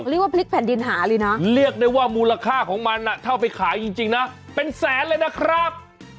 เรียกว่าพลิกแผ่นดินหาเลยนะเรียกได้ว่ามูลค่าของมันเท่าไปขายจริงนะเป็นแสนเลยนะครับ